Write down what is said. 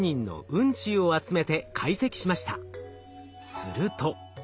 すると。